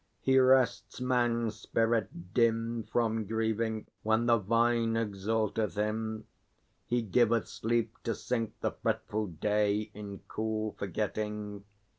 He rests man's spirit dim From grieving, when the vine exalteth him. He giveth sleep to sink the fretful day In cool forgetting.